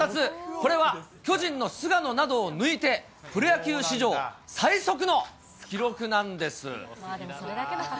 これは巨人の菅野などを抜いて、プロ野球史上最速の記録なんです。